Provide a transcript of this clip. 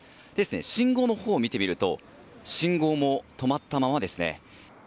信号のほうを見てみると信号も止まったままですね。